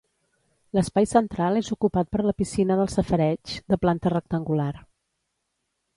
L'espai central és ocupat per la piscina del safareig, de planta rectangular.